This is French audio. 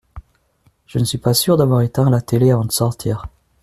Je ne suis pas sûr d’avoir éteint la télé avant de sortir.